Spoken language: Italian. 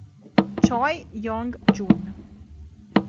Choi Young-jun